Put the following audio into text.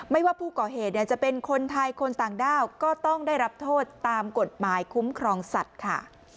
ว่าผู้ก่อเหตุจะเป็นคนไทยคนต่างด้าวก็ต้องได้รับโทษตามกฎหมายคุ้มครองสัตว์ค่ะ